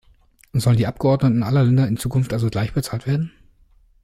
Sollen die Abgeordneten aller Länder in Zukunft also gleich bezahlt werden?